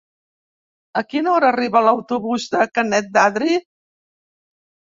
A quina hora arriba l'autobús de Canet d'Adri?